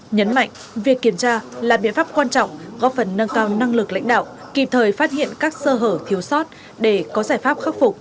nhấn mạnh việc kiểm tra là biện pháp quan trọng góp phần nâng cao năng lực lãnh đạo kịp thời phát hiện các sơ hở thiếu sót để có giải pháp khắc phục